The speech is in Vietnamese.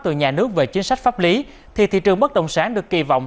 từ nhà nước về chính sách pháp lý thì thị trường bất động sản được kỳ vọng